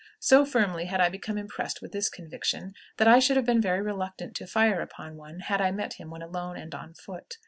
So firmly had I become impressed with this conviction, that I should have been very reluctant to fire upon one had I met him when alone and on foot.